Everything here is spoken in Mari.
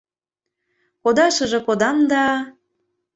Кодашыже кодам да.